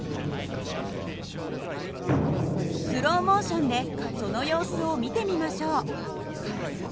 スローモーションでその様子を見てみましょう。